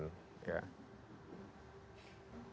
tidak ada momen